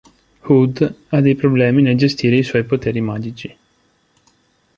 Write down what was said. Hood ha dei problemi nel gestire i suoi poteri magici.